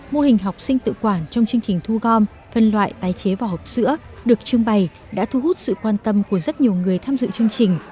mô hình học sinh tự quản trong chương trình thu gom phân loại tái chế vỏ hộp sữa được trưng bày đã thu hút sự quan tâm của rất nhiều người tham dự chương trình